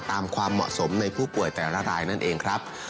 ความเหมาะสมในผู้ป่วยแต่ละรายนั่นเองครับ